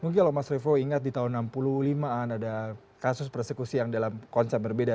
mungkin mas revo ingat di tahun seribu sembilan ratus enam puluh lima an ada kasus persekusi yang dalam konsep berbeda